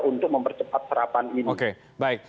untuk mempercepat serapan ini oke baik